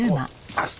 あっ。